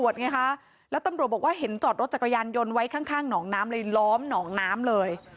ฉันกินข้าวอยู่ข้างล่างนี้ผมมาไปข้างล่าง